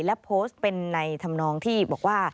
และโพสต์เป็นในธรรมนองที่บอกว่า